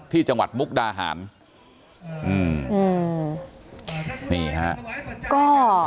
ที่จังหวัดมุกดาหารอืมนี่ค่ะก็